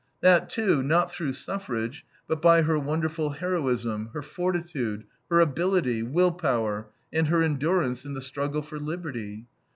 That, too, not through suffrage, but by her wonderful heroism, her fortitude, her ability, will power, and her endurance in the struggle for liberty.